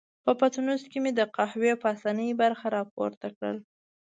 په پتنوس کې مې د قهوې پاسنۍ برخه را پورته کړل.